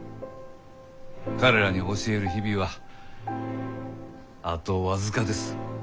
彼らに教える日々はあと僅かです。